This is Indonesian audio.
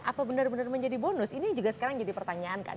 apa benar benar menjadi bonus ini juga sekarang jadi pertanyaan kan